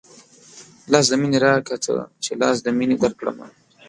لاس د مينې راکه تۀ چې لاس د مينې درکړمه